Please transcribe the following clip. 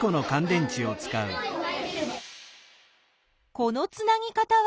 このつなぎ方は？